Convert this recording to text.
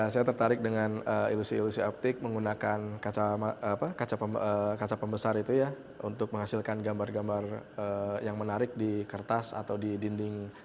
saya tertarik dengan ilusi ilusi optik menggunakan kaca pembesar itu ya untuk menghasilkan gambar gambar yang menarik di kertas atau di dinding